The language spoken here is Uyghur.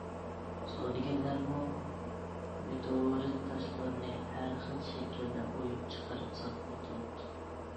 سودىگەرلەرمۇ مېتېئورىت تاشلارنى ھەر خىل شەكىلدە ئويۇپ چىقىرىپ ساتقىلى تۇرۇپتۇ.